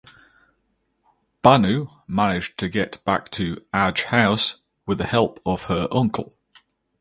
Bhanu managed to get back to Aj house with the help of her uncle.